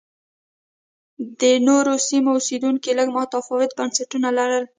د نورو سیمو اوسېدونکو لږ متفاوت بنسټونه لرل